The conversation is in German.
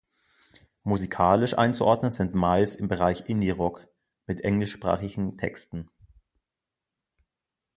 Musikalisch einzuordnen sind Miles im Bereich Indie-Rock mit englischsprachigen Texten.